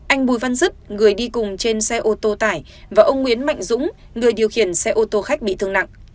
anh bùi văn dứt người đi cùng trên xe ô tô tải và ông nguyễn mạnh dũng người điều khiển xe ô tô khách bị thương nặng